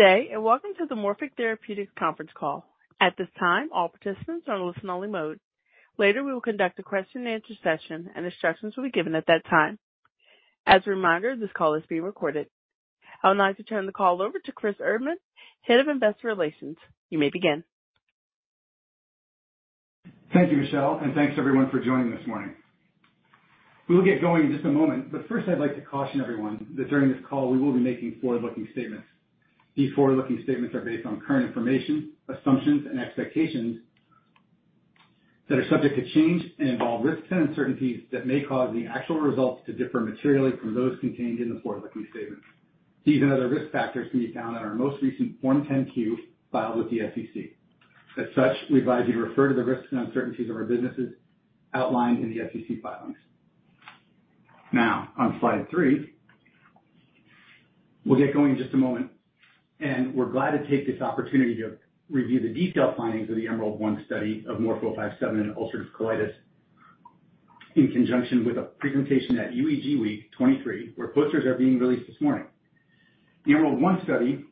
Good day, and welcome to the Morphic Therapeutic conference call. At this time, all participants are in listen-only mode. Later, we will conduct a question-and-answer session, and instructions will be given at that time. As a reminder, this call is being recorded. I'd now like to turn the call over to Chris Erdman, Head of Investor Relations. You may begin. Thank you, Michelle, and thanks everyone for joining this morning. We will get going in just a moment, but first I'd like to caution everyone that during this call we will be making forward-looking statements. These forward-looking statements are based on current information, assumptions, and expectations that are subject to change and involve risks and uncertainties that may cause the actual results to differ materially from those contained in the forward-looking statements. These and other risk factors can be found on our most recent Form 10-Q filed with the SEC. As such, we advise you to refer to the risks and uncertainties of our businesses outlined in the SEC filings. Now, on slide 3, we'll get going in just a moment, and we're glad to take this opportunity to review the detailed findings of the EMERALD-1 study of MORF-057 in ulcerative colitis, in conjunction with a presentation at UEG Week 2023, where posters are being released this morning. The EMERALD-1 study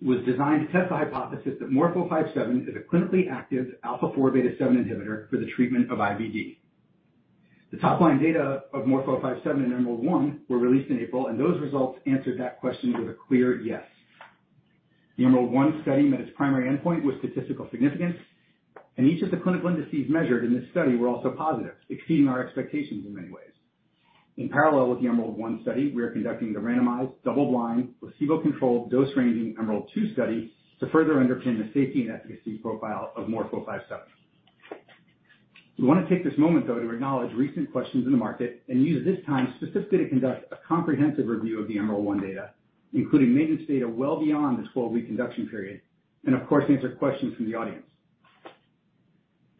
was designed to test the hypothesis that MORF-057 is a clinically active alpha four beta seven inhibitor for the treatment of IBD. The top line data of MORF-057 in EMERALD-1 were released in April, and those results answered that question with a clear yes. The EMERALD-1 study met its primary endpoint with statistical significance, and each of the clinical indices measured in this study were also positive, exceeding our expectations in many ways. In parallel with the EMERALD-1 study, we are conducting the randomized, double-blind, placebo-controlled, dose-ranging EMERALD-2 study to further underpin the safety and efficacy profile of MORF-057. We want to take this moment, though, to acknowledge recent questions in the market and use this time specifically to conduct a comprehensive review of the EMERALD-1 data, including maintenance data well beyond this 12-week induction period, and of course, answer questions from the audience.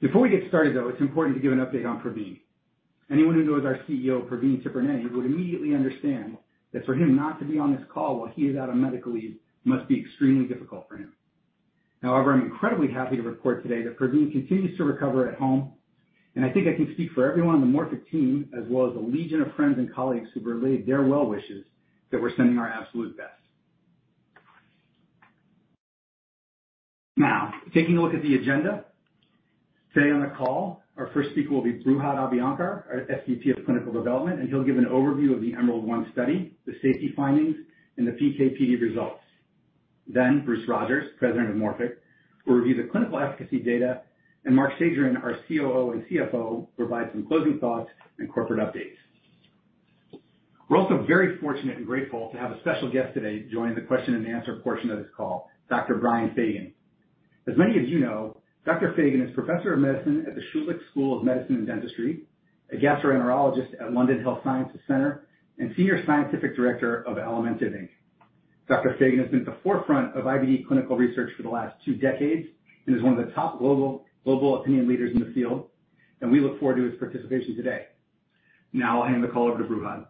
Before we get started, though, it's important to give an update on Praveen. Anyone who knows our CEO, Praveen Tipirneni, would immediately understand that for him not to be on this call while he is out on medical leave must be extremely difficult for him. However, I'm incredibly happy to report today that Praveen continues to recover at home, and I think I can speak for everyone on the Morphic team, as well as a legion of friends and colleagues who've relayed their well wishes, that we're sending our absolute best. Now, taking a look at the agenda. Today on the call, our first speaker will be Brihad Abhyankar, our SVP of Clinical Development, and he'll give an overview of the Emerald One study, the safety findings, and the PK/PD results. Then Bruce Rogers, President of Morphic, will review the clinical efficacy data, and Marc Schegerin, our COO and CFO, provide some closing thoughts and corporate updates. We're also very fortunate and grateful to have a special guest today joining the question and answer portion of this call, Dr. Brian Feagan. As many of you know, Dr. Feagan is Professor of Medicine at the Schulich School of Medicine and Dentistry, a gastroenterologist at London Health Sciences Centre, and Senior Scientific Director of Alimentiv, Inc. Dr. Feagan has been at the forefront of IBD clinical research for the last two decades and is one of the top global, global opinion leaders in the field, and we look forward to his participation today. Now I'll hand the call over to Brihad.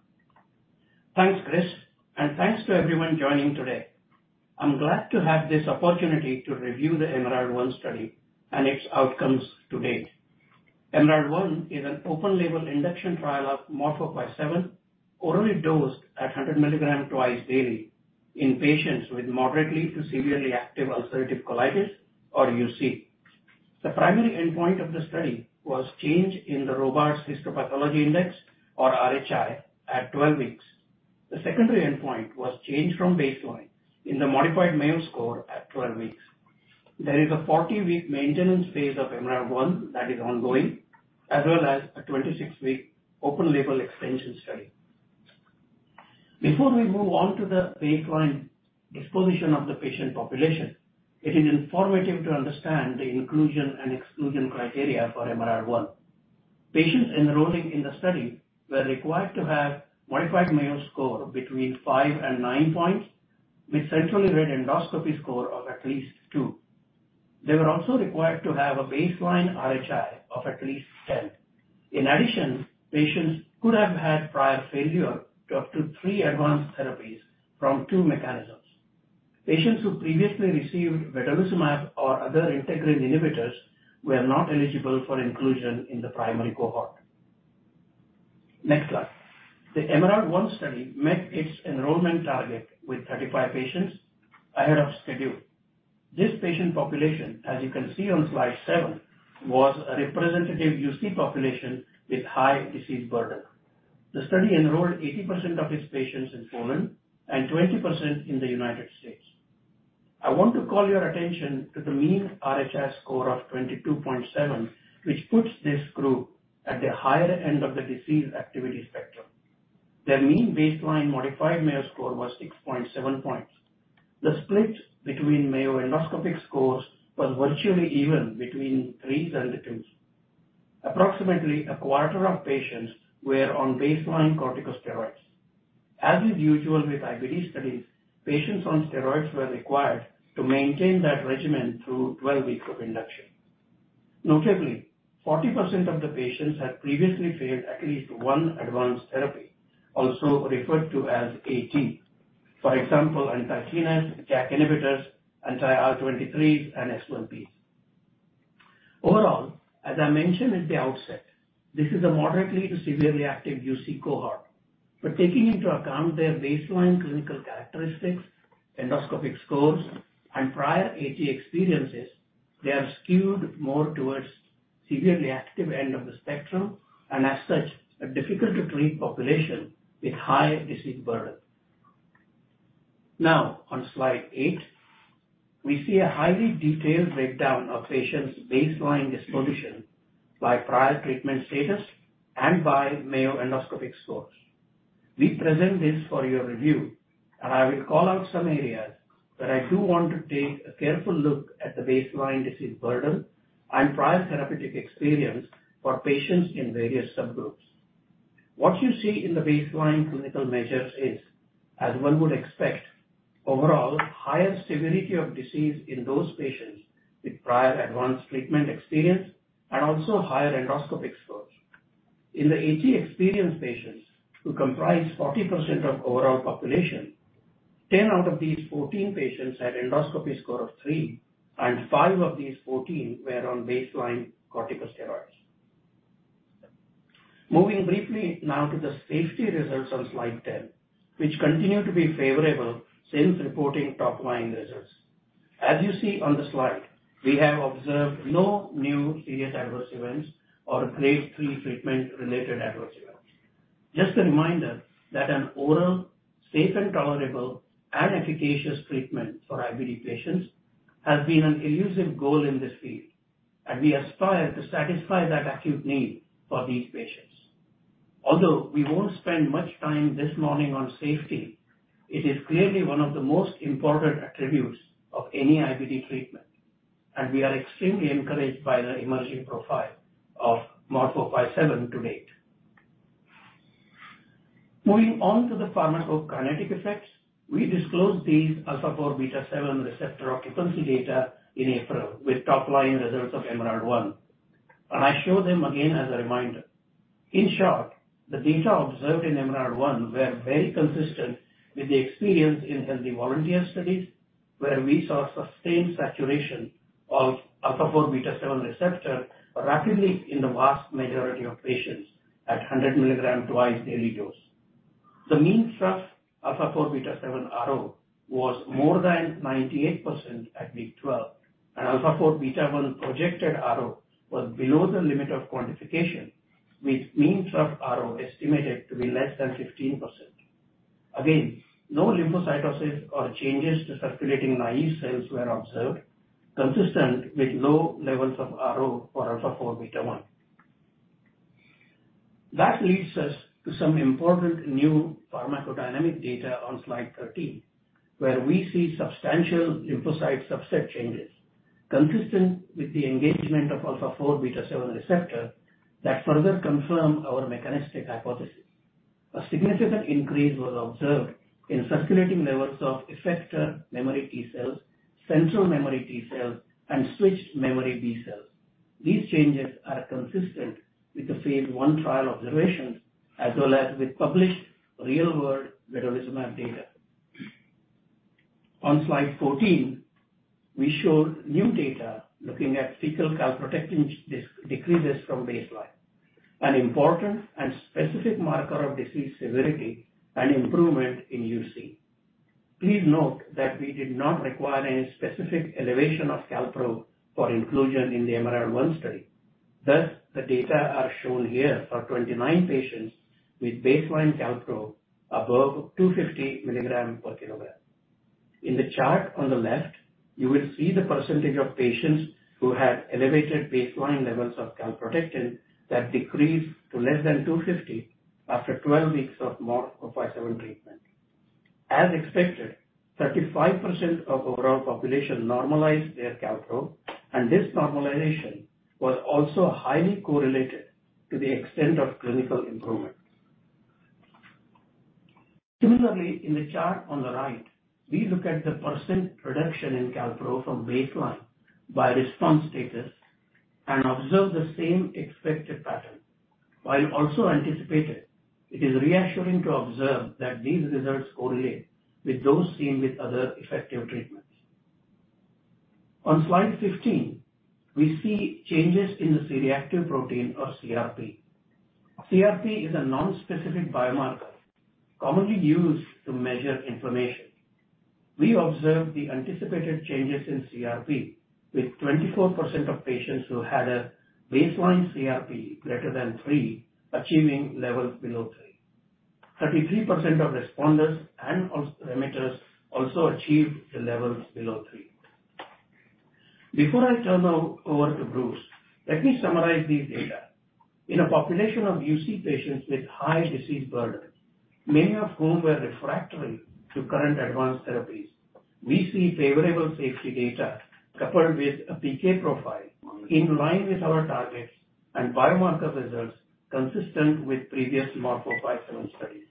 Thanks, Chris, and thanks to everyone joining today. I'm glad to have this opportunity to review the EMERALD-1 study and its outcomes to date. EMERALD-1 is an open-label induction trial of MORF-057, orally dosed at 100 milligrams twice daily in patients with moderate to severe ulcerative colitis or UC. The primary endpoint of the study was change in the Robarts Histopathology Index, or RHI, at 12 weeks. The secondary endpoint was change from baseline in the modified Mayo Score at 12 weeks. There is a 40-week maintenance phase of EMERALD-1 that is ongoing, as well as a 26-week open-label extension study. Before we move on to the baseline disposition of the patient population, it is informative to understand the inclusion and exclusion criteria for EMERALD-1. Patients enrolling in the study were required to have Modified Mayo Score between 5 and 9 points, with centrally read endoscopy score of at least 2. They were also required to have a baseline RHI of at least 10. In addition, patients could have had prior failure to up to 3 advanced therapies from 2 mechanisms. Patients who previously received vedolizumab or other integrin inhibitors were not eligible for inclusion in the primary cohort. Next slide. The EMERALD-1 study met its enrollment target with 35 patients ahead of schedule. This patient population, as you can see on slide 7, was a representative UC population with high disease burden. The study enrolled 80% of its patients in Poland and 20% in the United States. I want to call your attention to the mean RHI score of 22.7, which puts this group at the higher end of the disease activity spectrum. Their mean baseline modified Mayo Score was 6.7 points. The split between Mayo endoscopic scores was virtually even between 3s and the 2s. Approximately a quarter of patients were on baseline corticosteroids. As is usual with IBD studies, patients on steroids were required to maintain that regimen through 12 weeks of induction. Notably, 40% of the patients had previously failed at least one advanced therapy, also referred to as AT. For example, anti-TNFs, JAK inhibitors, anti-IL-23s and S1P.... Overall, as I mentioned at the outset, this is a moderately to severely active UC cohort, but taking into account their baseline clinical characteristics, endoscopic scores, and prior AT experiences, they are skewed more towards severely active end of the spectrum, and as such, a difficult to treat population with high disease burden. Now, on slide 8, we see a highly detailed breakdown of patients' baseline disposition by prior treatment status and by Mayo Endoscopic Scores. We present this for your review, and I will call out some areas, but I do want to take a careful look at the baseline disease burden and prior therapeutic experience for patients in various subgroups. What you see in the baseline clinical measures is, as one would expect, overall higher severity of disease in those patients with prior advanced treatment experience and also higher endoscopic scores. In the AT experienced patients, who comprise 40% of overall population, 10 out of these 14 patients had endoscopy score of 3, and 5 of these 14 were on baseline corticosteroids. Moving briefly now to the safety results on slide 10, which continue to be favorable since reporting top-line results. As you see on the slide, we have observed no new serious adverse events or grade 3 treatment-related adverse events. Just a reminder that an oral, safe and tolerable, and efficacious treatment for IBD patients has been an elusive goal in this field, and we aspire to satisfy that acute need for these patients. Although we won't spend much time this morning on safety, it is clearly one of the most important attributes of any IBD treatment, and we are extremely encouraged by the emerging profile of MORF-057 to date. Moving on to the pharmacokinetic effects, we disclosed these α4β7 receptor occupancy data in April with top-line results of EMERALD-1, and I show them again as a reminder. In short, the data observed in EMERALD-1 were very consistent with the experience in healthy volunteer studies, where we saw sustained saturation of α4β7 receptor rapidly in the vast majority of patients at 100 mg twice daily dose. The mean trough α4β7 RO was more than 98% at week 12, and α4β1 projected RO was below the limit of quantification, with mean trough RO estimated to be less than 15%. Again, no lymphocytosis or changes to circulating naive cells were observed, consistent with low levels of RO for α4β1. That leads us to some important new pharmacodynamic data on slide 13, where we see substantial lymphocyte subset changes, consistent with the engagement of alpha-four beta-seven receptor that further confirm our mechanistic hypothesis. A significant increase was observed in circulating levels of effector memory T cells, central memory T cells, and switched memory B cells. These changes are consistent with the phase 1 trial observations, as well as with published real-world vedolizumab data. On slide 14, we show new data looking at fecal calprotectin decreases from baseline, an important and specific marker of disease severity and improvement in UC. Please note that we did not require any specific elevation of calpro for inclusion in the EMERALD-1 study, thus, the data are shown here for 29 patients with baseline calpro above 250 milligrams per kilogram. In the chart on the left, you will see the percentage of patients who had elevated baseline levels of calprotectin that decreased to less than 250 after 12 weeks of MORF-057 treatment. As expected, 35% of overall population normalized their calpro, and this normalization was also highly correlated to the extent of clinical improvement. Similarly, in the chart on the right, we look at the % reduction in calpro from baseline by response status and observe the same expected pattern. While also anticipated, it is reassuring to observe that these results correlate with those seen with other effective treatments. On slide 15, we see changes in the C-reactive protein or CRP. CRP is a non-specific biomarker, commonly used to measure inflammation. We observed the anticipated changes in CRP, with 24% of patients who had a baseline CRP greater than 3, achieving levels below 3. 33% of responders and remitters also achieved the levels below 3. Before I turn over to Bruce, let me summarize these data. In a population of UC patients with high disease burden, many of whom were refractory to current advanced therapies, we see favorable safety data coupled with a PK profile in line with our targets and biomarker results consistent with previous MORF-057 studies.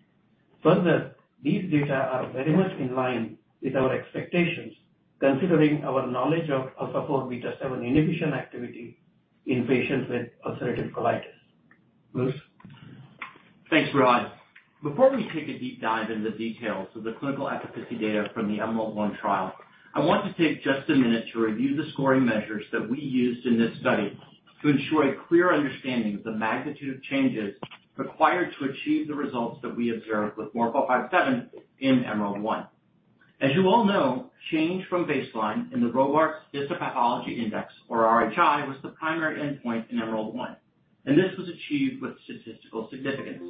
Further, these data are very much in line with our expectations, considering our knowledge of alpha-4 beta-7 inhibition activity in patients with ulcerative colitis. Bruce?... Thanks, Brihad. Before we take a deep dive into the details of the clinical efficacy data from the EMERALD-1 trial, I want to take just a minute to review the scoring measures that we used in this study to ensure a clear understanding of the magnitude of changes required to achieve the results that we observed with MORF-057 in EMERALD-1. As you all know, change from baseline in the Robarts Histopathology Index, or RHI, was the primary endpoint in EMERALD-1, and this was achieved with statistical significance.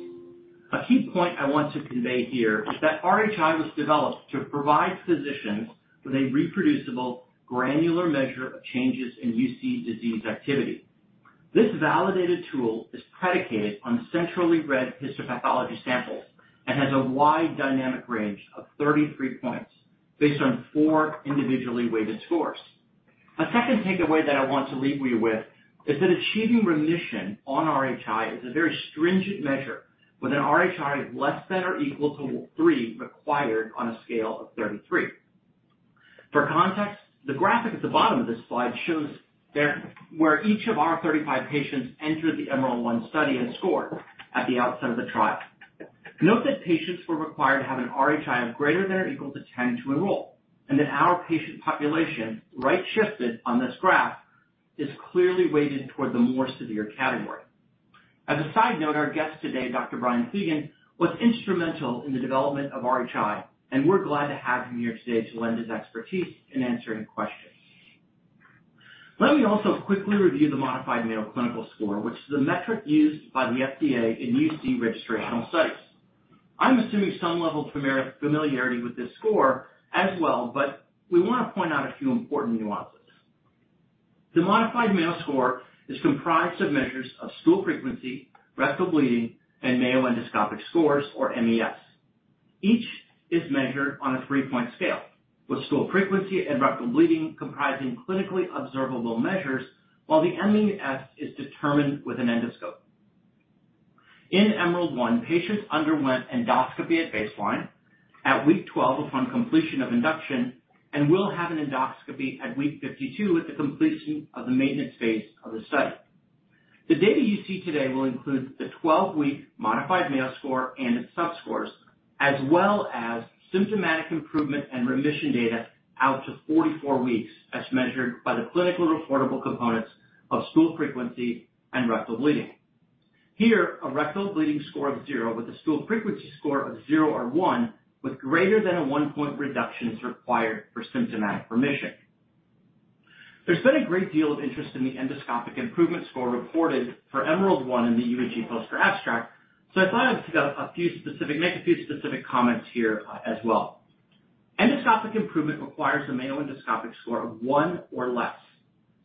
A key point I want to convey here is that RHI was developed to provide physicians with a reproducible, granular measure of changes in UC disease activity. This validated tool is predicated on centrally read histopathology samples and has a wide dynamic range of 33 points based on four individually weighted scores. A second takeaway that I want to leave you with is that achieving remission on RHI is a very stringent measure, with an RHI of less than or equal to 3 required on a scale of 33. For context, the graphic at the bottom of this slide shows there, where each of our 35 patients entered the EMERALD-1 study and scored at the outset of the trial. Note that patients were required to have an RHI of greater than or equal to 10 to enroll, and that our patient population, right shifted on this graph, is clearly weighted toward the more severe category. As a side note, our guest today, Dr. Brian Feagan, was instrumental in the development of RHI, and we're glad to have him here today to lend his expertise in answering questions. Let me also quickly review the Modified Mayo Score, which is the metric used by the FDA in UC registrational studies. I'm assuming some level of familiarity with this score as well, but we want to point out a few important nuances. The modified Mayo Score is comprised of measures of stool frequency, rectal bleeding, and Mayo Endoscopic Score, or MES. Each is measured on a three-point scale, with stool frequency and rectal bleeding comprising clinically observable measures, while the MES is determined with an endoscope. In EMERALD-1, patients underwent endoscopy at baseline, at week 12 upon completion of induction, and will have an endoscopy at week 52 with the completion of the maintenance phase of the study. The data you see today will include the 12-week Modified Mayo Score and its subscores, as well as symptomatic improvement and remission data out to 44 weeks, as measured by the clinical reportable components of stool frequency and rectal bleeding. Here, a rectal bleeding score of 0, with a stool frequency score of 0 or 1, with greater than a 1-point reduction is required for symptomatic remission. There's been a great deal of interest in the endoscopic improvement score reported for EMERALD-1 in the UEG poster abstract, so I thought I'd pick out a few specific comments here, as well. Endoscopic improvement requires a Mayo Endoscopic Score of 1 or less,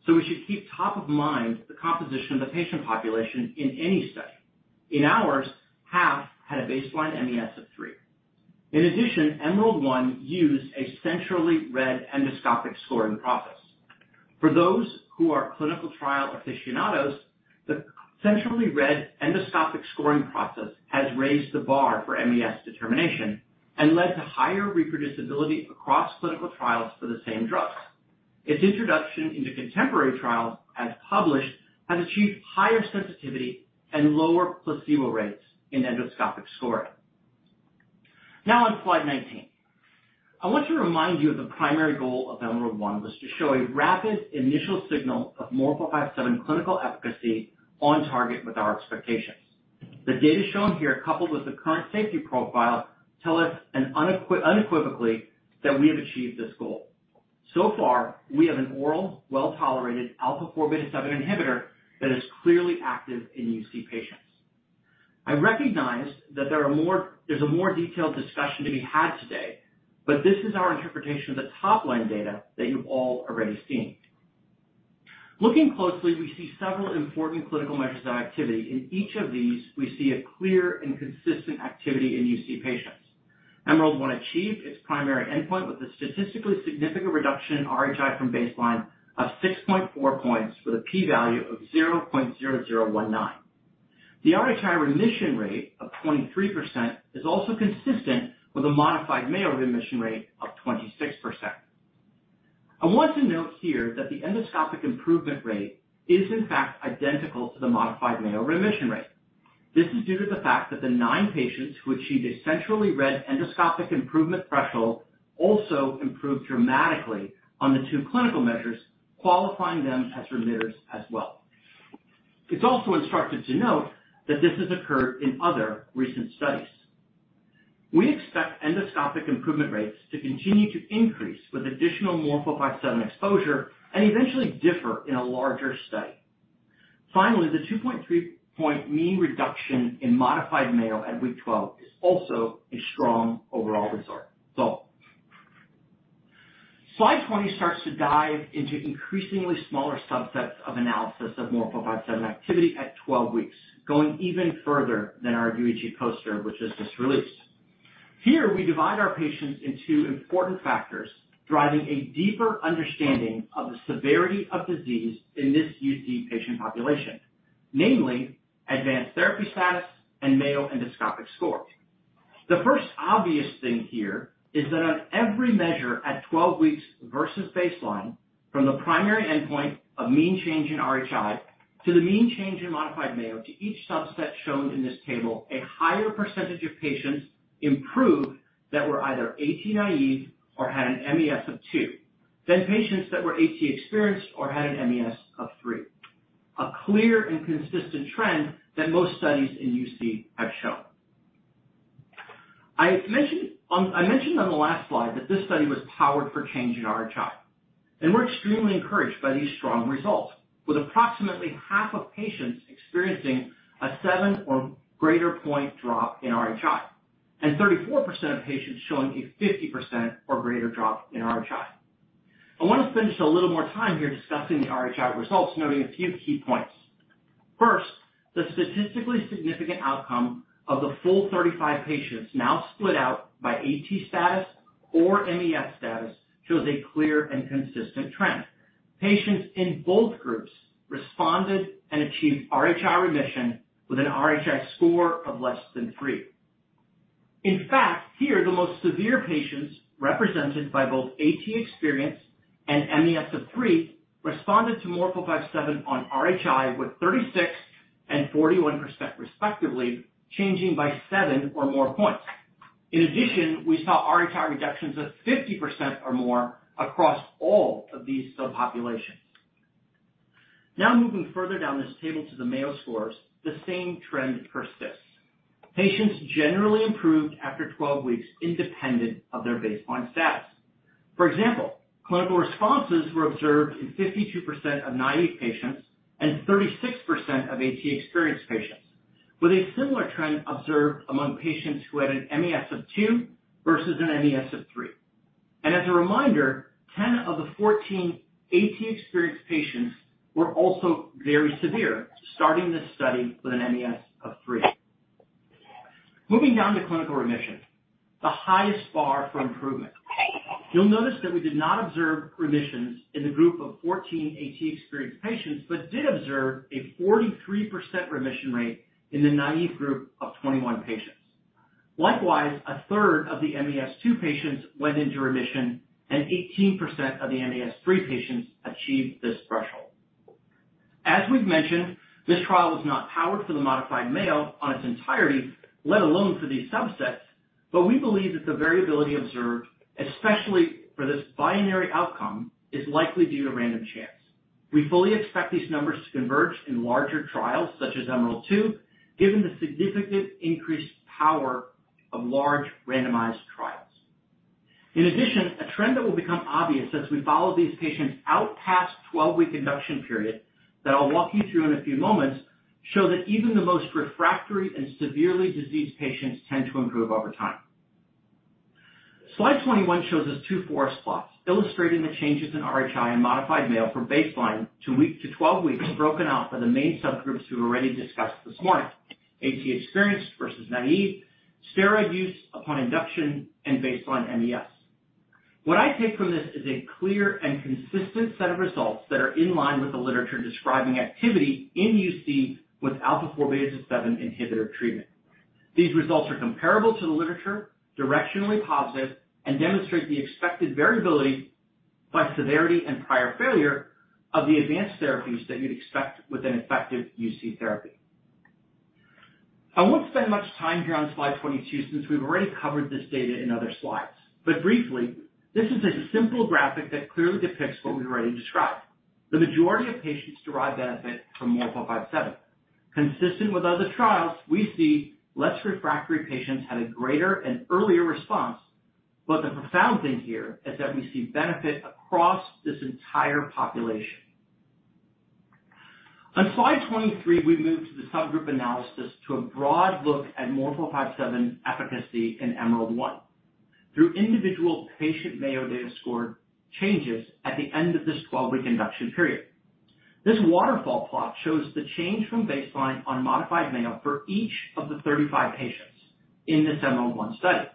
so we should keep top of mind the composition of the patient population in any study. In ours, half had a baseline MES of 3. In addition, EMERALD-1 used a centrally read endoscopic scoring process. For those who are clinical trial aficionados, the centrally read endoscopic scoring process has raised the bar for MES determination and led to higher reproducibility across clinical trials for the same drugs. Its introduction into contemporary trials, as published, has achieved higher sensitivity and lower placebo rates in endoscopic scoring. Now, on slide 19, I want to remind you of the primary goal of EMERALD-1 was to show a rapid initial signal of MORF-057 clinical efficacy on target with our expectations. The data shown here, coupled with the current safety profile, tell us, unequivocally, that we have achieved this goal. So far, we have an oral, well-tolerated alpha four beta seven inhibitor that is clearly active in UC patients. I recognize that there are more, there's a more detailed discussion to be had today, but this is our interpretation of the top-line data that you've all already seen. Looking closely, we see several important clinical measures of activity. In each of these, we see a clear and consistent activity in UC patients. EMERALD-1 achieved its primary endpoint with a statistically significant reduction in RHI from baseline of 6.4 points, with a P value of 0.0019. The RHI remission rate of 23% is also consistent with the Modified Mayo remission rate of 26%. I want to note here that the endoscopic improvement rate is in fact identical to the Modified Mayo remission rate. This is due to the fact that the 9 patients who achieved a centrally read endoscopic improvement threshold also improved dramatically on the 2 clinical measures, qualifying them as remitters as well. It's also instructive to note that this has occurred in other recent studies. We expect endoscopic improvement rates to continue to increase with additional MORF-057 exposure and eventually differ in a larger study. Finally, the 2.3-point mean reduction in modified Mayo at week 12 is also a strong overall result. Slide 20 starts to dive into increasingly smaller subsets of analysis of MORF-057 activity at 12 weeks, going even further than our UEG poster, which is just released. Here, we divide our patients into important factors, driving a deeper understanding of the severity of disease in this UC patient population, namely advanced therapy status and Mayo endoscopic score. The first obvious thing here is that on every measure, at 12 weeks versus baseline, from the primary endpoint of mean change in RHI to the mean change in modified Mayo, to each subset shown in this table, a higher percentage of patients improved that were either AT naive or had an MES of 2, than patients that were AT experienced or had an MES of 3. A clear and consistent trend that most studies in UC have shown. I mentioned on, I mentioned on the last slide that this study was powered for change in RHI, and we're extremely encouraged by these strong results, with approximately half of patients experiencing a 7 or greater point drop in RHI and 34% of patients showing a 50% or greater drop in RHI. I want to spend just a little more time here discussing the RHI results, noting a few key points. First, the statistically significant outcome of the full 35 patients, now split out by AT status or MES status, shows a clear and consistent trend. Patients in both groups responded and achieved RHI remission with an RHI score of less than 3. In fact, here, the most severe patients, represented by both AT experienced and MES of 3, responded to MORF-057 on RHI, with 36% and 41% respectively, changing by 7 or more points. In addition, we saw RHI reductions of 50% or more across all of these subpopulations. Now, moving further down this table to the Mayo scores, the same trend persists. Patients generally improved after 12 weeks, independent of their baseline status. For example, clinical responses were observed in 52% of naive patients and 36% of AT experienced patients, with a similar trend observed among patients who had an MES of 2 versus an MES of 3. As a reminder, 10 of the 14 AT experienced patients were also very severe, starting this study with an MES of 3. Moving down to clinical remission, the highest bar for improvement. You'll notice that we did not observe remissions in the group of 14 AT experienced patients, but did observe a 43% remission rate in the naive group of 21 patients. Likewise, a third of the MES 2 patients went into remission, and 18% of the MES 3 patients achieved this threshold. As we've mentioned, this trial was not powered for the modified Mayo on its entirety, let alone for these subsets, but we believe that the variability observed, especially for this binary outcome, is likely due to random chance. We fully expect these numbers to converge in larger trials, such as EMERALD-2, given the significant increased power of large randomized trials. In addition, a trend that will become obvious as we follow these patients out past 12-week induction period, that I'll walk you through in a few moments, show that even the most refractory and severely diseased patients tend to improve over time. Slide 21 shows us two forest plots illustrating the changes in RHI and modified Mayo from baseline to week to 12 weeks, broken out by the main subgroups we've already discussed this morning, AT experienced versus naive, steroid use upon induction, and baseline MES. What I take from this is a clear and consistent set of results that are in line with the literature describing activity in UC with alpha-4 beta-7 inhibitor treatment. These results are comparable to the literature, directionally positive, and demonstrate the expected variability by severity and prior failure of the advanced therapies that you'd expect with an effective UC therapy. I won't spend much time here on slide 22 since we've already covered this data in other slides, but briefly, this is a simple graphic that clearly depicts what we've already described. The majority of patients derive benefit from MORF-057. Consistent with other trials, we see less refractory patients had a greater and earlier response, but the profound thing here is that we see benefit across this entire population. On slide 23, we move to the subgroup analysis to a broad look at MORF-057 efficacy in EMERALD-1 through individual patient Mayo data score changes at the end of this 12-week induction period. This waterfall plot shows the change from baseline on modified Mayo for each of the 35 patients in this EMERALD-1 study.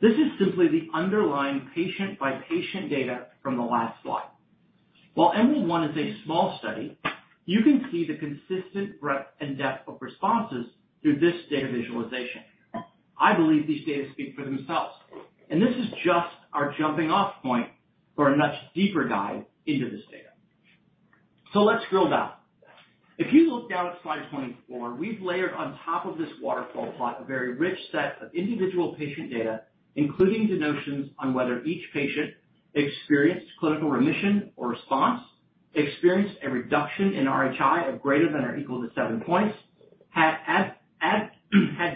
This is simply the underlying patient-by-patient data from the last slide. While EMERALD-1 is a small study, you can see the consistent breadth and depth of responses through this data visualization. I believe these data speak for themselves, and this is just our jumping-off point for a much deeper dive into this data. So let's drill down. If you look down at slide 24, we've layered on top of this waterfall plot a very rich set of individual patient data, including notations on whether each patient experienced clinical remission or response, experienced a reduction in RHI of greater than or equal to 7 points, had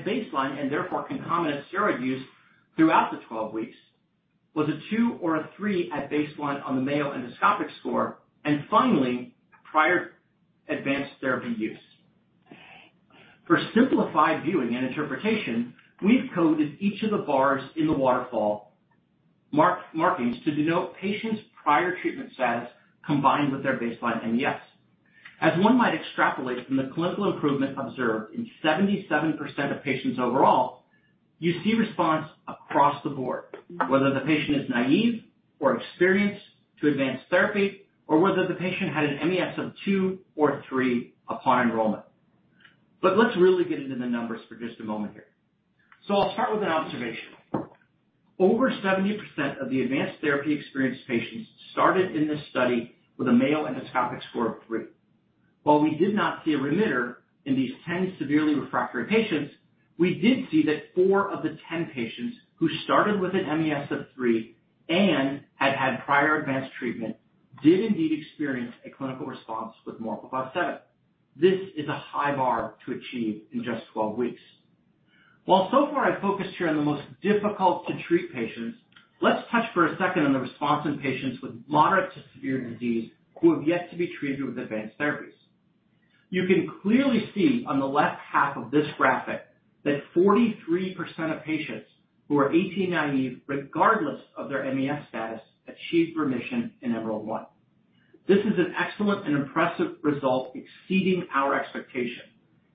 baseline and therefore concomitant steroid use throughout the 12 weeks, was a 2 or a 3 at baseline on the Mayo endoscopic score, and finally, prior advanced therapy use. For simplified viewing and interpretation, we've coded each of the bars in the waterfall markings to denote patients' prior treatment status combined with their baseline MES. As one might extrapolate from the clinical improvement observed in 77% of patients overall, you see response- Across the board, whether the patient is naive or experienced to advanced therapy, or whether the patient had an MES of 2 or 3 upon enrollment. But let's really get into the numbers for just a moment here. So I'll start with an observation. Over 70% of the advanced therapy experienced patients started in this study with a Mayo Endoscopic Score of 3. While we did not see a remitter in these 10 severely refractory patients, we did see that 4 of the 10 patients who started with an MES of 3 and had had prior advanced treatment, did indeed experience a clinical response with MORF-057. This is a high bar to achieve in just 12 weeks. While so far I've focused here on the most difficult to treat patients, let's touch for a second on the response in patients with moderate to severe disease who have yet to be treated with advanced therapies. You can clearly see on the left half of this graphic, that 43% of patients who are AT naive, regardless of their MES status, achieved remission in EMERALD-1. This is an excellent and impressive result, exceeding our expectation,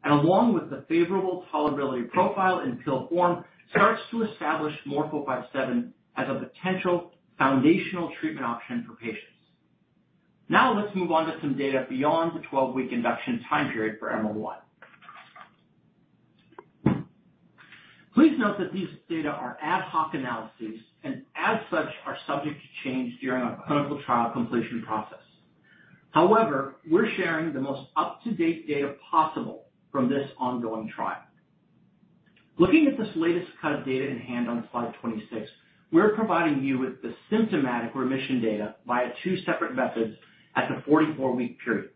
and along with the favorable tolerability profile in pill form, starts to establish MORF-057 as a potential foundational treatment option for patients. Now, let's move on to some data beyond the 12-week induction time period for EMERALD-1. Please note that these data are ad hoc analyses and as such, are subject to change during our clinical trial completion process. However, we're sharing the most up-to-date data possible from this ongoing trial. Looking at this latest cut of data in hand on slide 26, we're providing you with the symptomatic remission data via two separate methods at the 44-week period.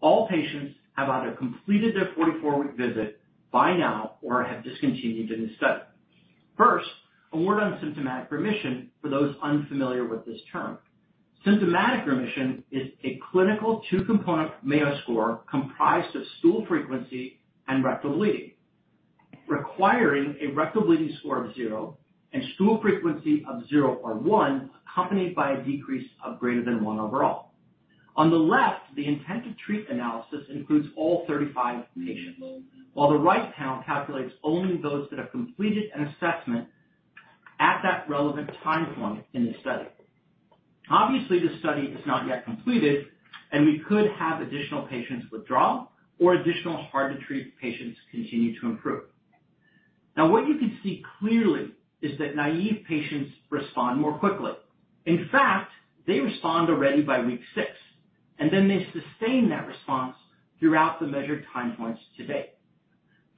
All patients have either completed their 44-week visit by now or have discontinued in this study. First, a word on symptomatic remission for those unfamiliar with this term. Symptomatic remission is a clinical two-component Mayo score comprised of stool frequency and rectal bleeding, requiring a rectal bleeding score of 0 and stool frequency of 0 or 1, accompanied by a decrease of greater than 1 overall. On the left, the intent-to-treat analysis includes all 35 patients, while the right count calculates only those that have completed an assessment at that relevant time point in the study. Obviously, the study is not yet completed, and we could have additional patients withdraw or additional hard-to-treat patients continue to improve. Now, what you can see clearly is that naive patients respond more quickly. In fact, they respond already by week 6, and then they sustain that response throughout the measured time points to date.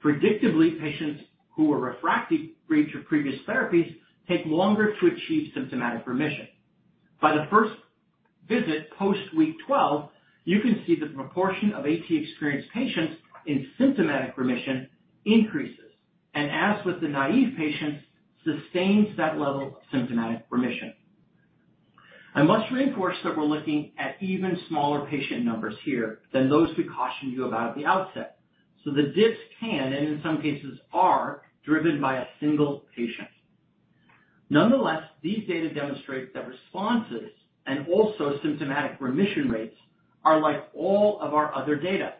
Predictably, patients who were refractory to previous therapies take longer to achieve symptomatic remission. By the first visit post week 12, you can see the proportion of AT experienced patients in symptomatic remission increases, and as with the naive patients, sustains that level of symptomatic remission. I must reinforce that we're looking at even smaller patient numbers here than those we cautioned you about at the outset. The dips can, and in some cases are, driven by a single patient. Nonetheless, these data demonstrate that responses and also symptomatic remission rates are like all of our other data,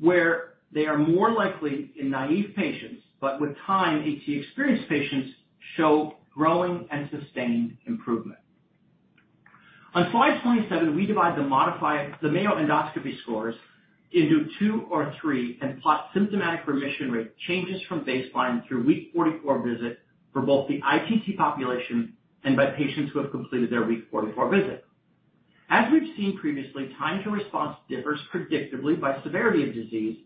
where they are more likely in naive patients, but with time, AT experienced patients show growing and sustained improvement. On slide 27, we divide the modified, the Mayo endoscopy scores into 2 or 3, and plot symptomatic remission rate changes from baseline through week 44 visit for both the ITT population and by patients who have completed their week 44 visit. As we've seen previously, time to response differs predictably by severity of disease,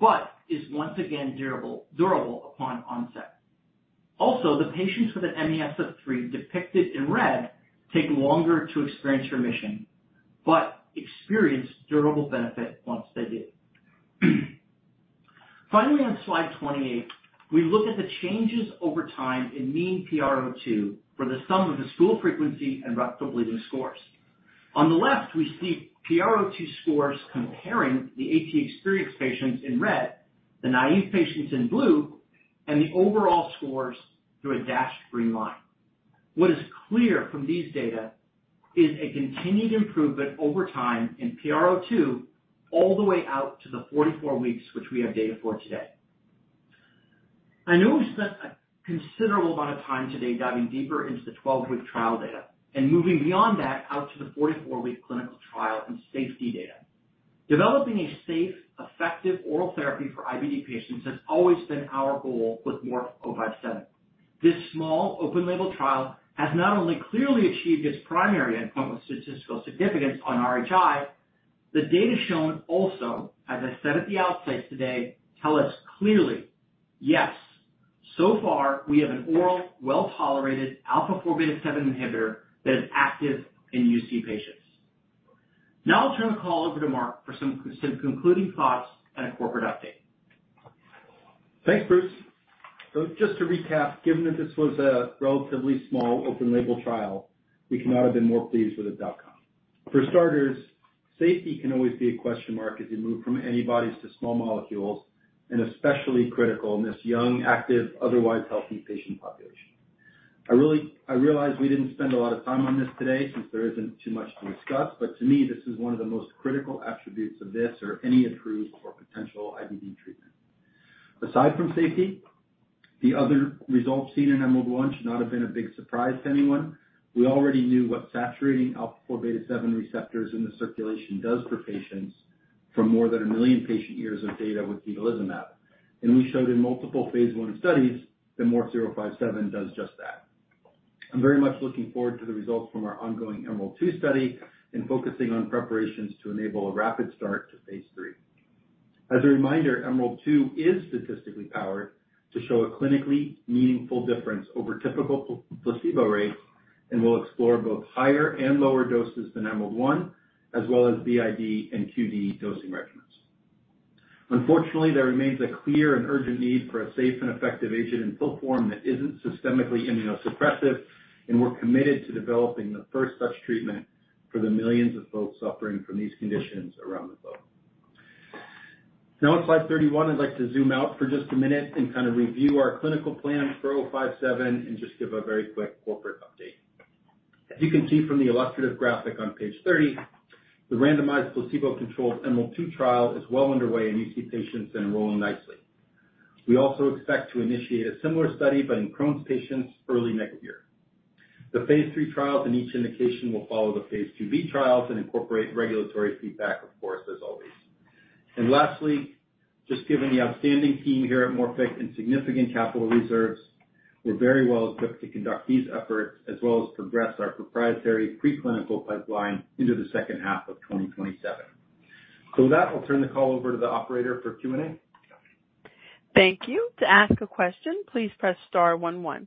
but is once again durable, durable upon onset. Also, the patients with an MES of 3, depicted in red, take longer to experience remission, but experience durable benefit once they do. Finally, on slide 28, we look at the changes over time in mean PRO2 for the sum of the stool frequency and rectal bleeding scores. On the left, we see PRO2 scores comparing the AT experienced patients in red, the naive patients in blue, and the overall scores through a dashed green line. What is clear from these data is a continued improvement over time in PRO2, all the way out to the 44 weeks, which we have data for today. I know we've spent a considerable amount of time today diving deeper into the 12-week trial data and moving beyond that out to the 44-week clinical trial and safety data. Developing a safe, effective oral therapy for IBD patients has always been our goal with MORF-057. This small open-label trial has not only clearly achieved its primary endpoint with statistical significance on RHI, the data shown also, as I said at the outset today, tell us clearly, yes, so far we have an oral, well-tolerated alpha-4 beta-7 inhibitor that is active in UC patients. Now I'll turn the call over to Marc for some concluding thoughts and a corporate update. Thanks, Bruce. So just to recap, given that this was a relatively small open-label trial, we could not have been more pleased with the outcome. For starters, safety can always be a question mark as you move from antibodies to small molecules, and especially critical in this young, active, otherwise healthy patient population... I really, I realize we didn't spend a lot of time on this today since there isn't too much to discuss, but to me, this is one of the most critical attributes of this or any approved or potential IBD treatment. Aside from safety, the other results seen in EMERALD-1 should not have been a big surprise to anyone. We already knew what saturating alpha-4 beta-7 receptors in the circulation does for patients from more than 1 million patient years of data with vedolizumab. We showed in multiple phase 1 studies that MORF-057 does just that. I'm very much looking forward to the results from our ongoing EMERALD-2 study and focusing on preparations to enable a rapid start to phase 3. As a reminder, EMERALD-2 is statistically powered to show a clinically meaningful difference over typical placebo rates and will explore both higher and lower doses than EMERALD-1, as well as BID and QD dosing regimens. Unfortunately, there remains a clear and urgent need for a safe and effective agent in pill form that isn't systemically immunosuppressive, and we're committed to developing the first such treatment for the millions of folks suffering from these conditions around the globe. Now, at slide 31, I'd like to zoom out for just a minute and kind of review our clinical plans for 057 and just give a very quick corporate update. As you can see from the illustrative graphic on page 30, the randomized placebo-controlled EMERALD-2 trial is well underway, and you see patients enrolling nicely. We also expect to initiate a similar study, but in Crohn's patients early next year. The phase 3 trials in each indication will follow the phase 2b trials and incorporate regulatory feedback, of course, as always. And lastly, just given the outstanding team here at Morphic and significant capital reserves, we're very well equipped to conduct these efforts, as well as progress our proprietary preclinical pipeline into the second half of 2027. So with that, I'll turn the call over to the operator for Q&A. Thank you. To ask a question, please press star one one.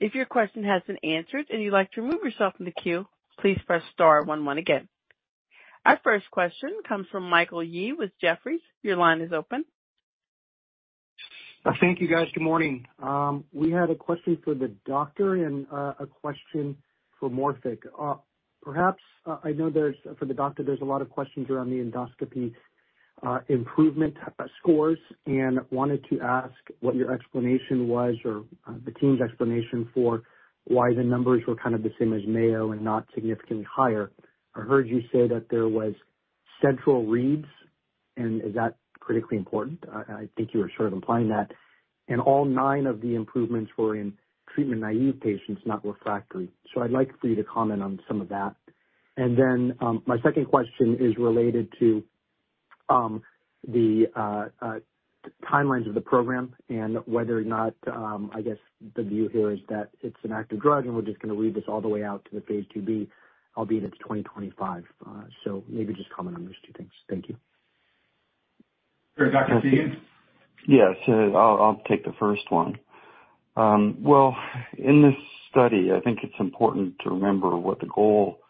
If your question has been answered and you'd like to remove yourself from the queue, please press star one one again. Our first question comes from Michael Yee with Jefferies. Your line is open. Thank you, guys. Good morning. We had a question for the doctor and a question for Morphic. Perhaps I know there's... For the doctor, there's a lot of questions around the endoscopy improvement scores, and wanted to ask what your explanation was or the team's explanation for why the numbers were kind of the same as Mayo and not significantly higher. I heard you say that there was central reads, and is that critically important? I think you were sort of implying that. And all nine of the improvements were in treatment-naive patients, not refractory. So I'd like for you to comment on some of that. And then, my second question is related to the timelines of the program and whether or not, I guess, the view here is that it's an active drug, and we're just gonna read this all the way out to the Phase 2b, albeit it's 2025. So maybe just comment on those two things. Thank you. Dr. Feagan? Yes, I'll, I'll take the first one. Well, in this study, I think it's important to remember what the goal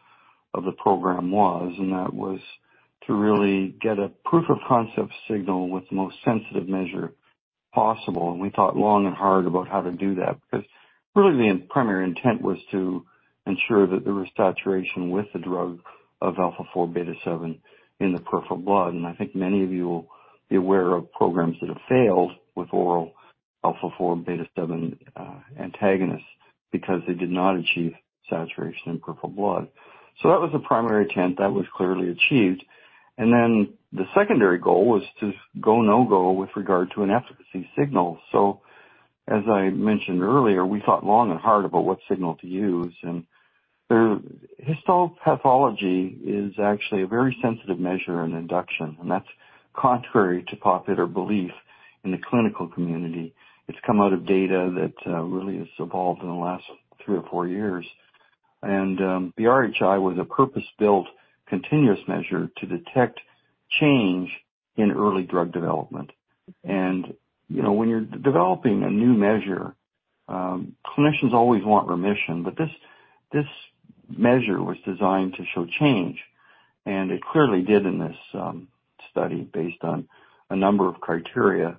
of the program was, and that was to really get a proof of concept signal with the most sensitive measure possible. And we thought long and hard about how to do that, because really, the primary intent was to ensure that there was saturation with the drug of alpha-4 beta-7 in the peripheral blood. And I think many of you will be aware of programs that have failed with oral alpha-4 beta-7 antagonists because they did not achieve saturation in peripheral blood. So that was the primary intent. That was clearly achieved. And then the secondary goal was to go, no-go with regard to an efficacy signal. So as I mentioned earlier, we thought long and hard about what signal to use, and their histopathology is actually a very sensitive measure in induction, and that's contrary to popular belief in the clinical community. It's come out of data that really has evolved in the last three or four years. The RHI was a purpose-built, continuous measure to detect change in early drug development. You know, when you're developing a new measure, clinicians always want remission, but this, this measure was designed to show change, and it clearly did in this study based on a number of criteria.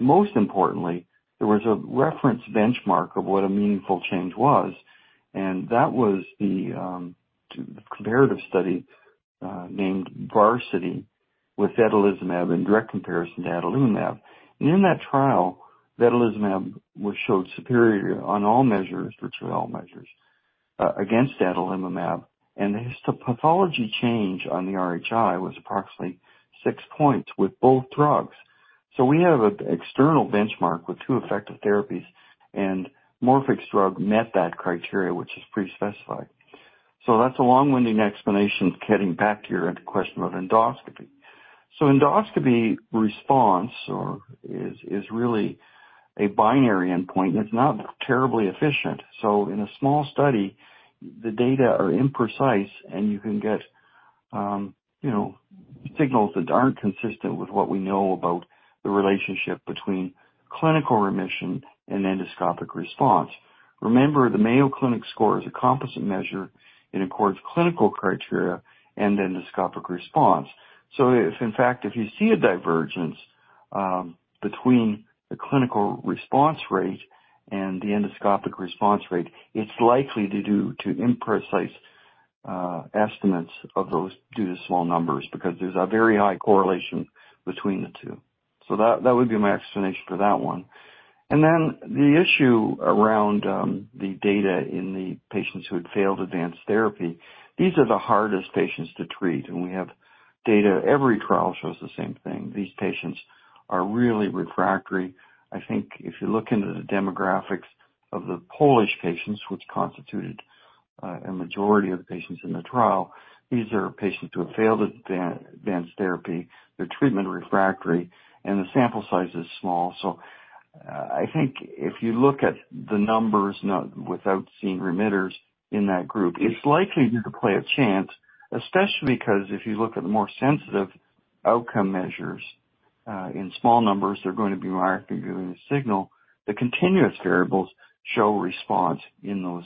Most importantly, there was a reference benchmark of what a meaningful change was, and that was the comparative study named VARSITY, with vedolizumab and direct comparison to adalimumab. In that trial, vedolizumab was showed superior on all measures, virtually all measures, against adalimumab, and the histopathology change on the RHI was approximately 6 points with both drugs. So we have an external benchmark with two effective therapies, and Morphic's drug met that criteria, which is pre-specified. So that's a long-winded explanation getting back to your question of endoscopy. So endoscopy response is really a binary endpoint, and it's not terribly efficient. So in a small study, the data are imprecise, and you can get, you know, signals that aren't consistent with what we know about the relationship between clinical remission and endoscopic response. Remember, the Mayo Clinic score is a composite measure. It accords clinical criteria and endoscopic response. If in fact, if you see a divergence between the clinical response rate and the endoscopic response rate, it's likely due to imprecise- ... estimates of those due to small numbers, because there's a very high correlation between the two. So that, that would be my explanation for that one. And then the issue around, the data in the patients who had failed advanced therapy, these are the hardest patients to treat, and we have data. Every trial shows the same thing. These patients are really refractory. I think if you look into the demographics of the Polish patients, which constituted, a majority of the patients in the trial, these are patients who have failed advanced therapy. They're treatment refractory, and the sample size is small. So, I think if you look at the numbers, not without seeing remitters in that group, it's likely to play a chance, especially 'cause if you look at the more sensitive outcome measures, in small numbers, they're going to be more likely giving a signal. The continuous variables show response in those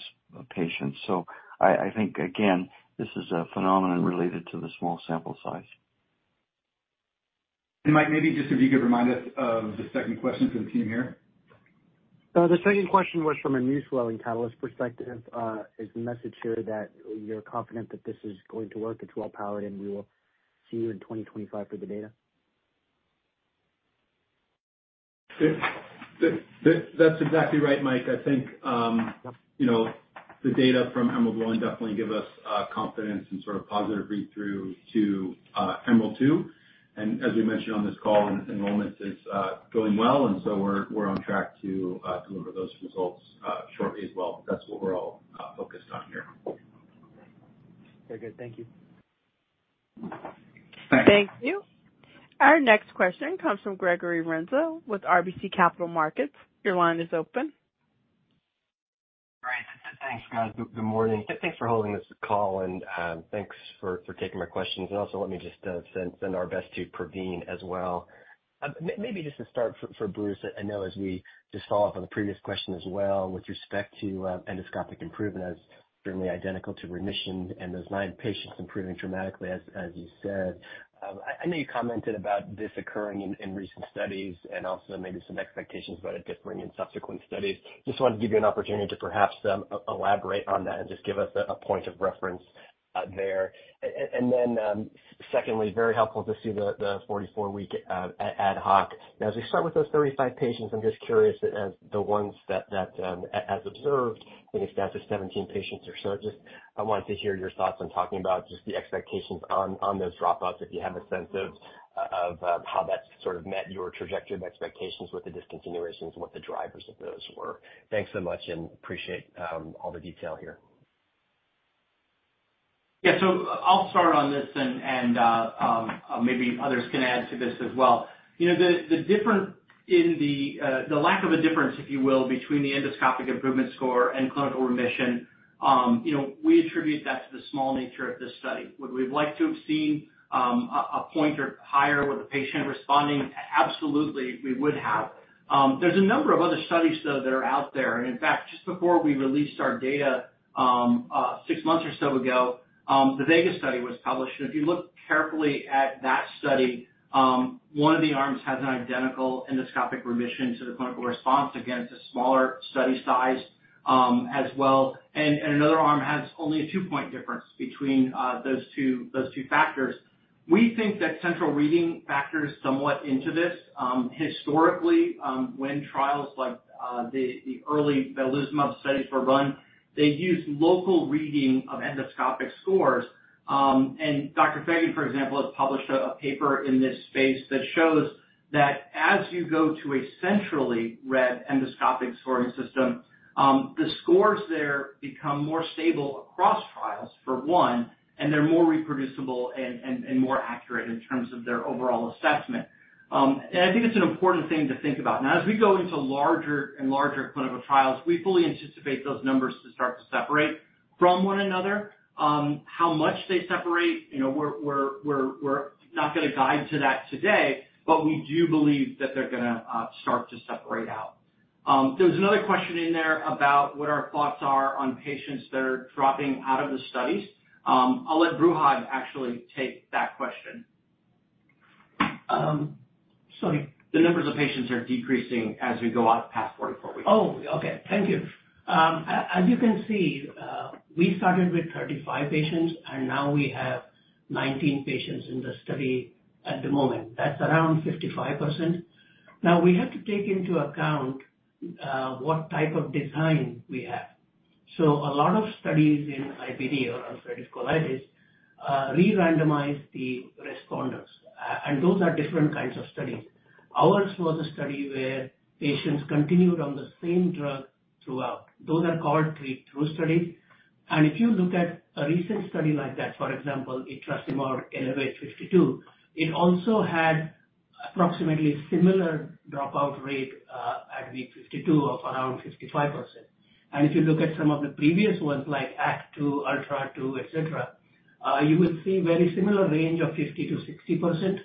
patients. So I think, again, this is a phenomenon related to the small sample size. Mike, maybe just if you could remind us of the second question from the team here? The second question was from a mucosal catalyst perspective, is the message here that you're confident that this is going to work, it's well powered, and we will see you in 2025 for the data? That's exactly right, Mike. I think, you know, the data from EMERALD-1 definitely give us confidence and sort of positive read-through to EMERALD-2. And as we mentioned on this call, enrollments is going well, and so we're on track to deliver those results shortly as well. That's what we're all focused on here. Very good. Thank you. Thanks. Thank you. Our next question comes from Gregory Renza with RBC Capital Markets. Your line is open. Great. Thanks, guys. Good morning, and thanks for holding this call, and thanks for taking my questions. Also, let me just send our best to Praveen as well. Maybe just to start for Bruce, I know as we just saw from the previous question as well, with respect to endoscopic improvement as certainly identical to remission and those 9 patients improving dramatically, as you said. I know you commented about this occurring in recent studies and also maybe some expectations about it differing in subsequent studies. Just wanted to give you an opportunity to perhaps elaborate on that and just give us a point of reference there. And then, secondly, very helpful to see the 44-week ad hoc. Now, as we start with those 35 patients, I'm just curious as the ones that, that, as observed, I think it's down to 17 patients or so, just I wanted to hear your thoughts on talking about just the expectations on, on those dropoffs, if you have a sense of, of, how that sort of met your trajectory and expectations with the discontinuations and what the drivers of those were. Thanks so much, and appreciate all the detail here. Yeah, so I'll start on this and, and, maybe others can add to this as well. You know, the, the difference in the, the lack of a difference, if you will, between the endoscopic improvement score and clinical remission, you know, we attribute that to the small nature of this study. Would we like to have seen, a, a point or higher with the patient responding? Absolutely, we would have. There's a number of other studies, though, that are out there, and in fact, just before we released our data, six months or so ago, the VEGA study was published. And if you look carefully at that study, one of the arms has an identical endoscopic remission to the clinical response. Again, it's a smaller study size, as well. Another arm has only a 2-point difference between those two factors. We think that central reading factors somewhat into this. Historically, when trials like the early vedolizumab studies were run, they used local reading of endoscopic scores. And Dr. Feagan, for example, has published a paper in this space that shows that as you go to a centrally read endoscopic scoring system, the scores there become more stable across trials, for one, and they're more reproducible and more accurate in terms of their overall assessment. And I think it's an important thing to think about. Now, as we go into larger and larger clinical trials, we fully anticipate those numbers to start to separate from one another. How much they separate, you know, we're not gonna guide to that today, but we do believe that they're gonna start to separate out. There was another question in there about what our thoughts are on patients that are dropping out of the studies. I'll let Brihad actually take that question. Um, sorry? The numbers of patients are decreasing as we go out past 44 weeks. Oh, okay. Thank you. As you can see, we started with 35 patients, and now we have 19 patients in the study at the moment. That's around 55%. Now, we have to take into account what type of design we have. So a lot of studies in IBD or ulcerative colitis re-randomize the responders, and those are different kinds of studies. Ours was a study where patients continued on the same drug throughout. Those are called treat through studies. If you look at a recent study like that, for example, Entyvio or ELEVATE 52, it also had approximately similar dropout rate at week 52 of around 55%. If you look at some of the previous ones, like ACT 2, ULTRA 2, etc., you will see very similar range of 50%-60%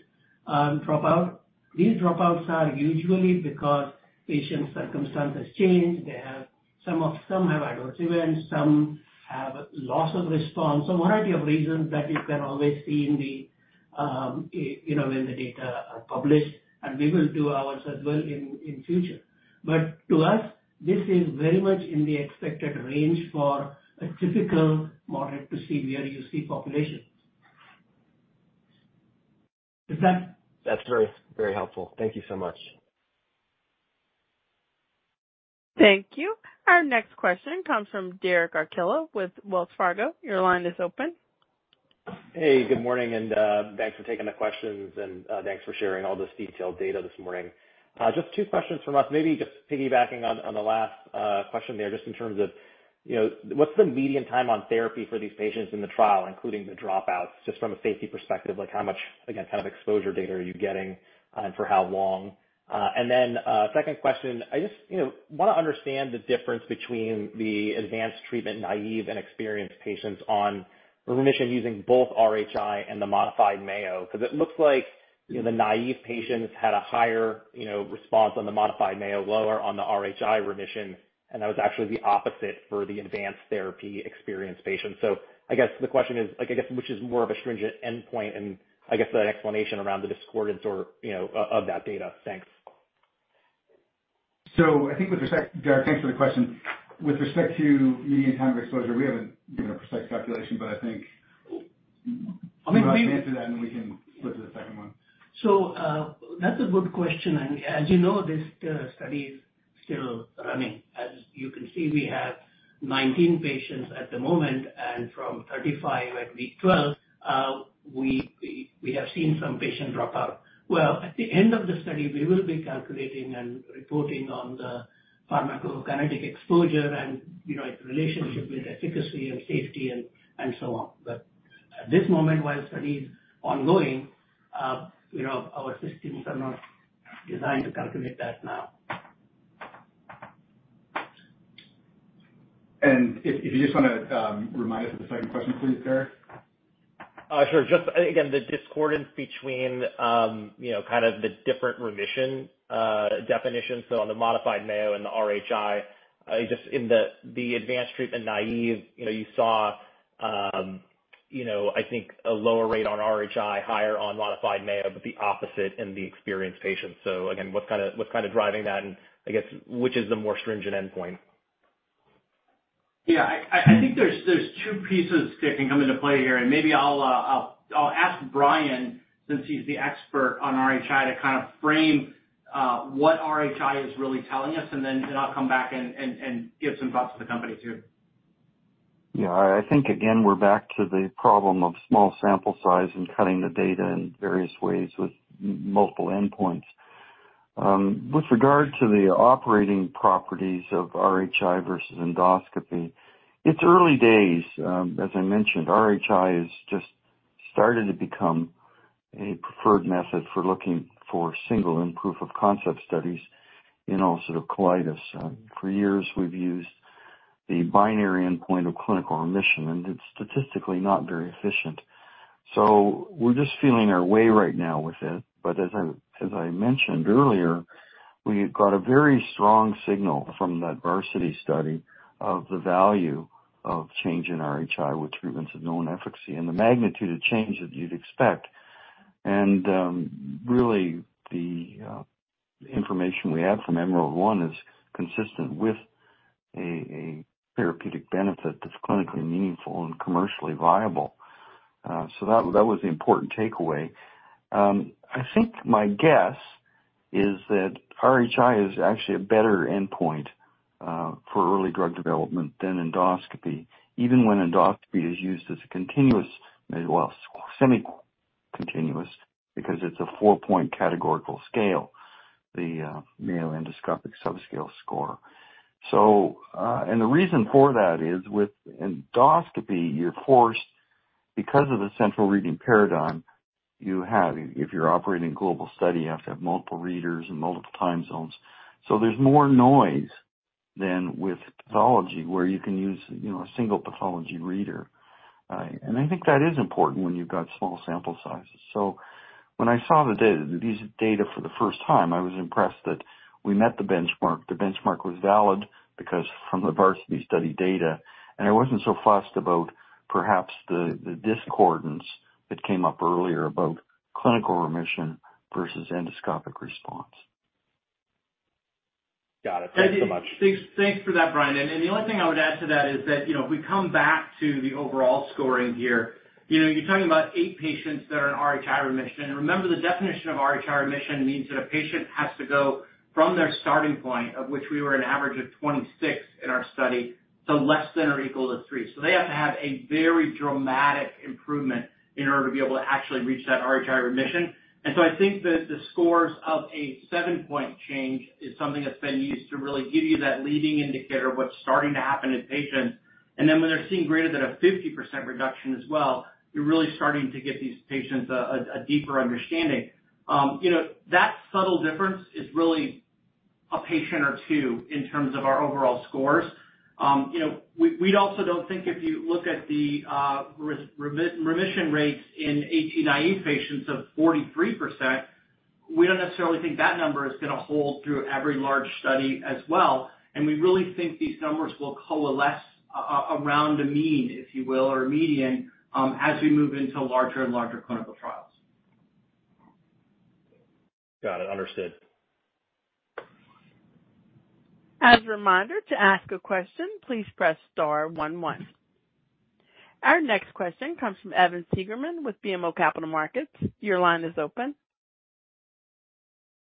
dropout. These dropouts are usually because patients' circumstances change. They have some of, some have adverse events, some have loss of response. So a variety of reasons that you can always see in the-... you know, when the data are published, and we will do ours as well in future. But to us, this is very much in the expected range for a typical moderate to severe UC population. Is that- That's very, very helpful. Thank you so much. Thank you. Our next question comes from Derek Archila with Wells Fargo. Your line is open. Hey, good morning, and thanks for taking the questions and thanks for sharing all this detailed data this morning. Just two questions from us. Maybe just piggybacking on the last question there, just in terms of, you know, what's the median time on therapy for these patients in the trial, including the dropouts, just from a safety perspective? Like, how much, again, kind of exposure data are you getting, and for how long? Second question, I just, you know, wanna understand the difference between the advanced treatment naive and experienced patients on remission using both RHI and the modified Mayo. 'Cause it looks like, you know, the naive patients had a higher, you know, response on the modified Mayo, lower on the RHI remission, and that was actually the opposite for the advanced therapy experienced patients. So I guess the question is, like, I guess, which is more of a stringent endpoint? And I guess the explanation around the discordance or, you know, of, of that data. Thanks. I think with respect... Derek, thanks for the question. With respect to median time of exposure, we haven't given a precise calculation, but I think- I mean, we- Brihad can answer that, and we can flip to the second one. So, that's a good question, and as you know, this study is still running. As you can see, we have 19 patients at the moment, and from 35 at week 12, we have seen some patients drop out. Well, at the end of the study, we will be calculating and reporting on the pharmacokinetic exposure and, you know, its relationship with efficacy and safety and so on. But at this moment, while study is ongoing, you know, our systems are not designed to calculate that now. If you just wanna remind us of the second question, please, Derek? Sure. Just again, the discordance between, you know, kind of the different remission definitions, so on the Modified Mayo and the RHI. Just in the advanced treatment naive, you know, you saw, you know, I think a lower rate on RHI, higher on Modified Mayo, but the opposite in the experienced patients. So again, what's kinda driving that, and I guess, which is the more stringent endpoint? Yeah, I think there's two pieces that can come into play here, and maybe I'll ask Brian, since he's the expert on RHI, to kind of frame what RHI is really telling us, and then I'll come back and give some thoughts to the company, too. Yeah, I think, again, we're back to the problem of small sample size and cutting the data in various ways with multiple endpoints. With regard to the operating properties of RHI versus endoscopy, it's early days. As I mentioned, RHI has just started to become a preferred method for looking for single and proof of concept studies in ulcerative colitis. For years, we've used the binary endpoint of clinical remission, and it's statistically not very efficient. So we're just feeling our way right now with it. But as I mentioned earlier, we've got a very strong signal from that VARSITY study of the value of change in RHI with treatments of known efficacy and the magnitude of change that you'd expect. Really, the information we have from EMERALD-1 is consistent with a therapeutic benefit that's clinically meaningful and commercially viable. That was the important takeaway. I think my guess is that RHI is actually a better endpoint for early drug development than endoscopy, even when endoscopy is used as a continuous, well, semi-continuous, because it's a four-point categorical scale, the Mayo Endoscopic Sub Scale score. The reason for that is with endoscopy, you're forced, because of the central reading paradigm you have, if you're operating a global study, you have to have multiple readers and multiple time zones. There's more noise than with pathology, where you can use, you know, a single pathology reader. I think that is important when you've got small sample sizes. So when I saw the data, these data for the first time, I was impressed that we met the benchmark. The benchmark was valid because from the VARSITY study data, and I wasn't so fussed about perhaps the discordance that came up earlier about clinical remission versus endoscopic response. Got it. Thanks so much. Thanks, thanks for that, Brian. And, and the only thing I would add to that is that, you know, if we come back to the overall scoring here, you know, you're talking about eight patients that are in RHI remission. Remember, the definition of RHI remission means that a patient has to go from their starting point, of which we were an average of 26 in our study, to less than or equal to three. So they have to have a very dramatic improvement in order to be able to actually reach that RHI remission. And so I think that the scores of a 7-point change is something that's been used to really give you that leading indicator of what's starting to happen in patients. And then when they're seeing greater than a 50% reduction as well, you're really starting to get these patients a, a deeper understanding. You know, that subtle difference is really a patient or two in terms of our overall scores. You know, we also don't think if you look at the remission rates in AT naive patients of 43% we don't necessarily think that number is gonna hold through every large study as well, and we really think these numbers will coalesce around a mean, if you will, or median, as we move into larger and larger clinical trials. Got it. Understood. As a reminder, to ask a question, please press star one one. Our next question comes from Evan Seigerman with BMO Capital Markets. Your line is open.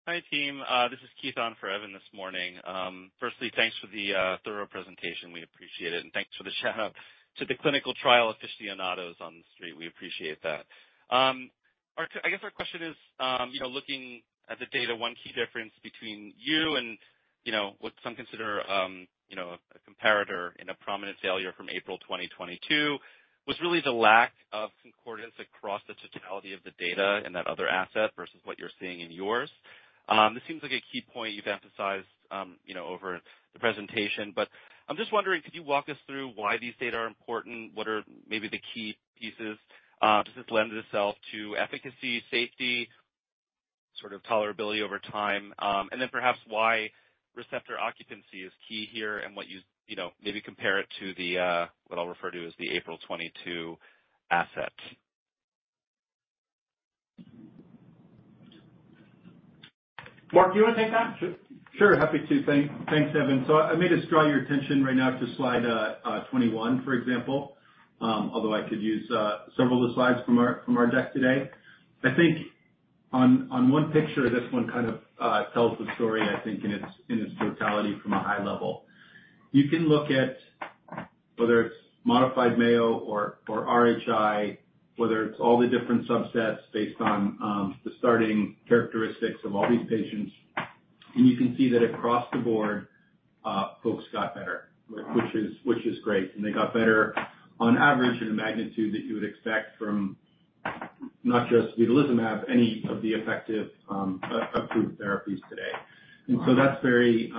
Hi, team. This is Keith on for Evan this morning. Firstly, thanks for the thorough presentation. We appreciate it, and thanks for the shout-out to the clinical trial aficionados on the street. We appreciate that. Our—I guess our question is, you know, looking at the data, one key difference between you and, you know, what some consider, you know, a comparator in a prominent failure from April 2022, was really the lack of concordance across the totality of the data in that other asset versus what you're seeing in yours. This seems like a key point you've emphasized, you know, over the presentation, but I'm just wondering, could you walk us through why these data are important? What are maybe the key pieces? Does this lend itself to efficacy, safety, sort of tolerability over time, and then perhaps why receptor occupancy is key here, and what you know, maybe compare it to the, what I'll refer to as the April 2022 asset? Marc, do you wanna take that? Sure. Happy to. Thanks, Evan. So I may just draw your attention right now to slide 21, for example. Although I could use several of the slides from our deck today. I think on one picture, this one kind of tells the story, I think, in its totality from a high level. You can look at whether it's modified Mayo or RHI, whether it's all the different subsets based on the starting characteristics of all these patients, and you can see that across the board, folks got better, which is great. And they got better on average in a magnitude that you would expect from not just vedolizumab, any of the effective approved therapies today. That's very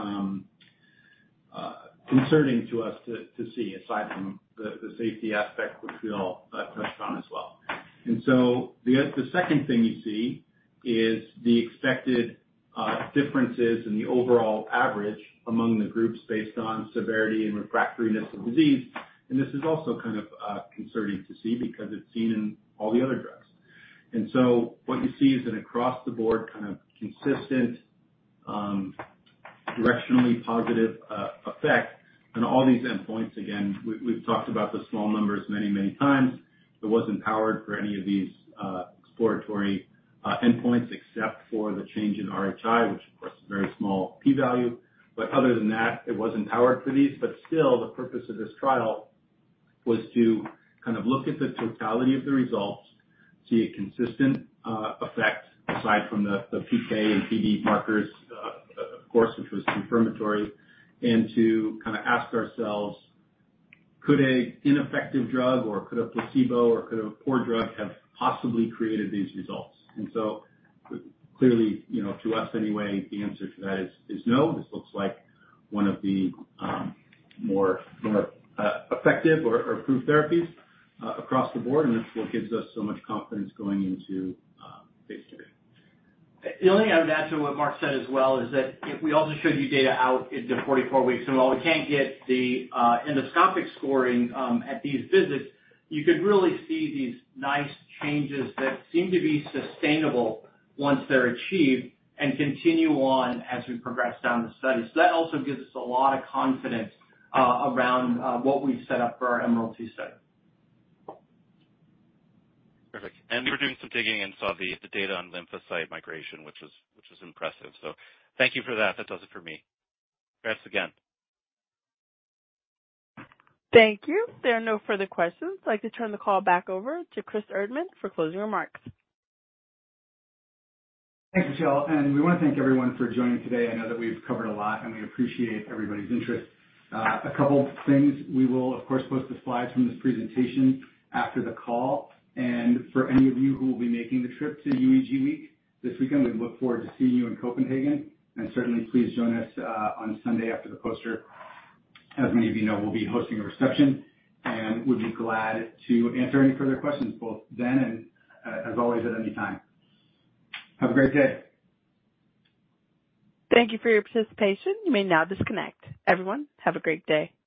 concerning to us to see, aside from the safety aspect, which we all touched on as well. The second thing you see is the expected differences in the overall average among the groups based on severity and refractoriness of disease. This is also kind of concerning to see, because it's seen in all the other drugs. What you see is that across the board, kind of consistent, directionally positive effect on all these endpoints. Again, we've talked about the small numbers many, many times. It wasn't powered for any of these exploratory endpoints, except for the change in RHI, which of course, is a very small P value. Other than that, it wasn't powered for these. But still, the purpose of this trial was to kind of look at the totality of the results, see a consistent effect, aside from the PK and PD markers, of course, which was confirmatory, and to kind of ask ourselves, could an ineffective drug or could a placebo or could a poor drug have possibly created these results? And so clearly, you know, to us anyway, the answer to that is no. This looks like one of the more effective or approved therapies across the board, and that's what gives us so much confidence going into Phase III. The only thing I would add to what Mark said as well, is that if we also showed you data out into 44 weeks, and while we can't get the endoscopic scoring at these visits, you could really see these nice changes that seem to be sustainable once they're achieved and continue on as we progress down the study. So that also gives us a lot of confidence around what we've set up for our EMERALD-2 study. Perfect. And we were doing some digging and saw the data on lymphocyte migration, which was impressive. So thank you for that. That does it for me. Thanks again. Thank you. There are no further questions. I'd like to turn the call back over to Chris Erdman for closing remarks. Thanks, Michelle, and we want to thank everyone for joining today. I know that we've covered a lot, and we appreciate everybody's interest. A couple things. We will, of course, post the slides from this presentation after the call. And for any of you who will be making the trip to UEG Week this weekend, we look forward to seeing you in Copenhagen. And certainly, please join us on Sunday after the poster. As many of you know, we'll be hosting a reception, and we'd be glad to answer any further questions, both then and, as always, at any time. Have a great day. Thank you for your participation. You may now disconnect. Everyone, have a great day.